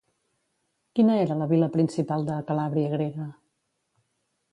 Quina era la vila principal de la Calàbria grega?